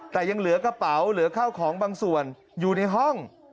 แต่ยังเหลือกระเป๋าเหลือข้าวของบางส่วนอยู่ในห้อง